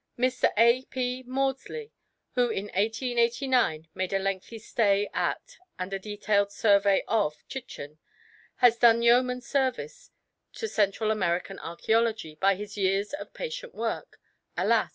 Mr. A. P. Maudslay, who in 1889 made a lengthy stay at and a detailed survey of Chichen, has done yeoman service to Central American archæology by his years of patient work (alas!